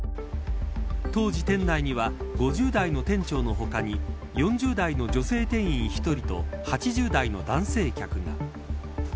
当時、店内には５０代の店長の他に４０代の女性店員１人と８０代の男性客が。